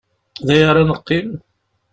Dagi ara neqqim!